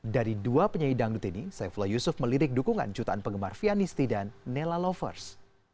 dari dua penyanyi dangdut ini saifullah yusuf melirik dukungan jutaan penggemar fianisti dan nela lovers